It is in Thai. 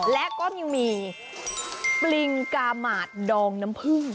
และก็ยังมีปริงกาหมาดดองน้ำผึ้ง